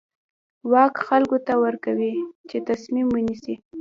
واک خلکو ته ورکوي چې تصمیم ونیسي.